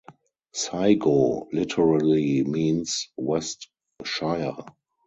Saigo literally means "west shire".